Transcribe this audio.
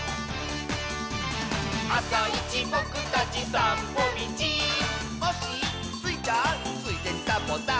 「あさいちぼくたちさんぽみち」「コッシースイちゃん」「ついでにサボさん」